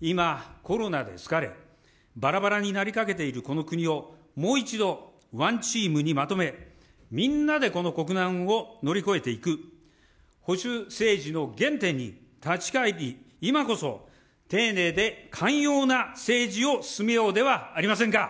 今、コロナで疲れ、ばらばらになりかけているこの国をもう一度ワンチームにまとめ、みんなでこの国難を乗り越えていく、保守政治の原点に立ち返り、今こそ丁寧で寛容な政治を進もうではありませんか。